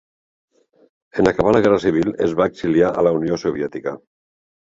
En acabar la guerra civil es va exiliar a la Unió Soviètica.